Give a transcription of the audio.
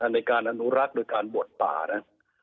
ในการอนุรักษ์โดยการบวชป่านะ